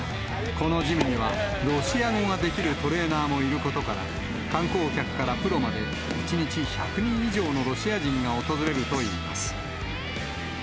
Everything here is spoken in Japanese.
このジムにはロシア語ができるトレーナーもいることから、観光客からプロまで、１日１００人以上のロシア人が訪れるといいます。